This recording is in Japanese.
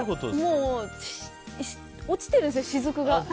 もう、落ちてるんですしずくが。